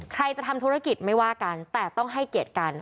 ใครจะทำธุรกิจไม่ว่ากันแต่ต้องให้เกียรติกัน